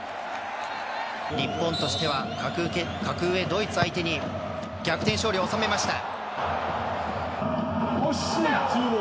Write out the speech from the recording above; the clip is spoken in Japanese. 日本としては格上ドイツ相手に逆転勝利を収めました。